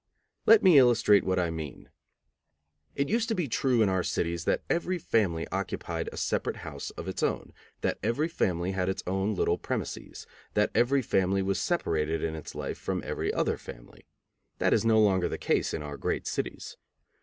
Let me illustrate what I mean: It used to be true in our cities that every family occupied a separate house of its own, that every family had its own little premises, that every family was separated in its life from every other family. That is no longer the case in our great cities.